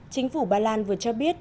chính phủ bà lan vừa cho biết